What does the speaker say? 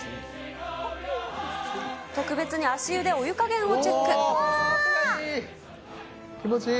特別に足湯でお湯加減をチェ気持ちいい。